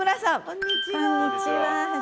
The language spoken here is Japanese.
こんにちは。